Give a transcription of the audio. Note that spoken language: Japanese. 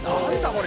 これ。